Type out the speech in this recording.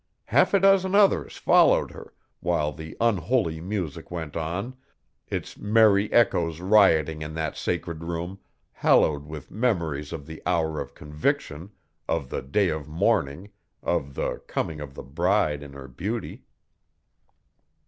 Half a dozen others followed her, while the unholy music went on, its merry echoes rioting in that sacred room, hallowed with memories of the hour of conviction, of the day of mourning, of the coming of the bride in her beauty.